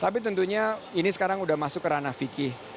tapi tentunya ini sekarang sudah masuk ke ranah fikih